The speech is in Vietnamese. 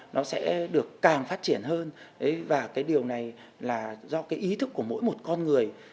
nó sẽ được càng phát triển hơn và cái điều này là do cái ý thức của mỗi một con người